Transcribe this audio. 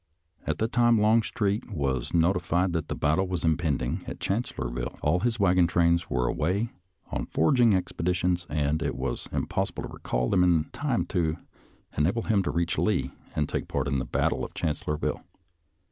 At the time Longstreet was noti fied that a battle was impending at Chancellorsville all his wagon trains were away on foraging expeditions, and it was impossible to recall them in time to enable him to reach Lee and take part in the battle of Chancellorsville.